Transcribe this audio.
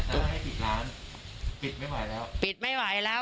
ถ้าให้ปิดร้านปิดไม่ไหวแล้ว